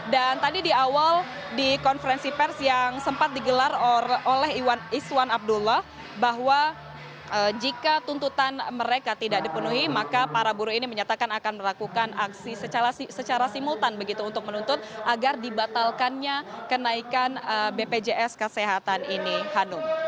dan tadi di awal di konferensi pers yang sempat digelar oleh iswan abdullah bahwa jika tuntutan mereka tidak dipenuhi maka para buruh ini menyatakan akan melakukan aksi secara simultan begitu untuk menuntut agar dibatalkannya kenaikan bpjs kesehatan ini hanum